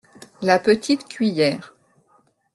La petite cuillère.